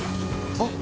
・あっ！！